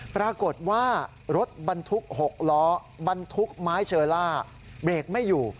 ปรากฏว่ารถบรรทุก๖ล้อบรรทุกไม้เชอล่าเบรกไม่อยู่